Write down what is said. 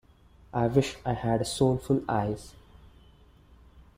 I wish I had soulful eyes.